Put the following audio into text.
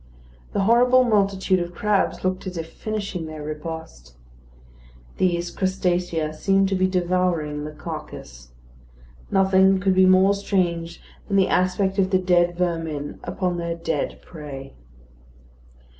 The horrible multitude of crabs looked as if finishing their repast. These crustacea seemed to be devouring the carcase. Nothing could be more strange than the aspect of the dead vermin upon their dead prey.